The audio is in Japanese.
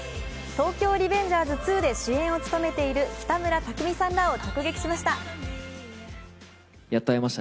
「東京リベンジャーズ２」で主演を務めている北村匠海さんらを直撃しました。